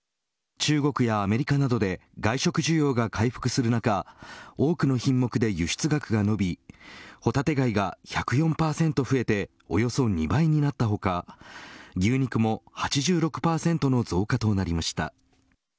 中国やアメリカなどで外食需要が回復する中多くの品目で輸出額が伸びホタテ貝が１０４％増えておよそ２倍になった他牛肉も８６％の増加となりました。